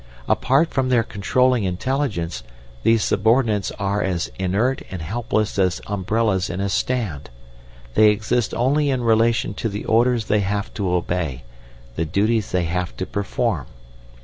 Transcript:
Apart from their controlling intelligence these subordinates are as inert and helpless as umbrellas in a stand. They exist only in relation to the orders they have to obey, the duties they have to perform.